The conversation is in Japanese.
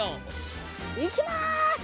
いきます！